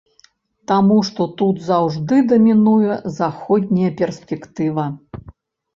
Таму што тут заўжды дамінуе заходняя перспектыва.